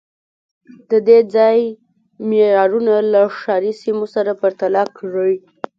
د دې ځای معیارونه له ښاري سیمو سره پرتله کړئ